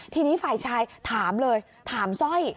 ทีนี้ฝ่ายชายถามเลยถามสร้อย